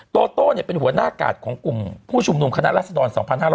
โตโต้เป็นหัวหน้ากาดของกลุ่มผู้ชุมนุมคณะรัศดร๒๕๖๐